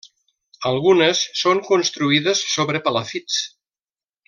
Algunes són construïdes sobre palafits.